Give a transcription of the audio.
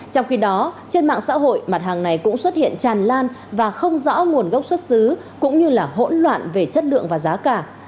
trong khi đó trên mạng xã hội mặt hàng này cũng xuất hiện tràn lan và không rõ nguồn gốc xuất xứ cũng như là hỗn loạn về chất lượng và giá cả